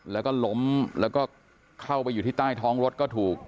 แล้วก็ล้มแล้วก็เข้าไปอยู่ที่ใต้ท้องรถก็ถูก